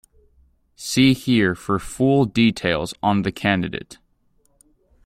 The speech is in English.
See here for full details on the candidate.